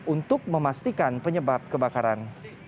untuk memastikan penyebab kebakaran